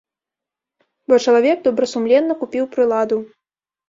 Бо чалавек добрасумленна купіў прыладу.